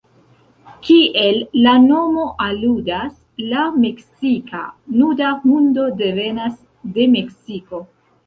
Kiel la nomo aludas, la meksika nuda hundo devenas de Meksiko.